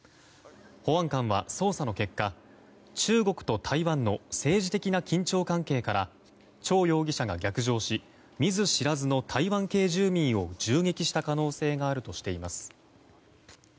保安官は捜査の結果中国と台湾の政治的な緊張関係からチョウ容疑者が逆上し見ず知らずの台湾系住民を銃撃した可能性があるとしています。